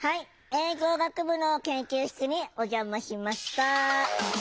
映像学部の研究室にお邪魔しました。